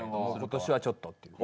今年はちょっとっていう。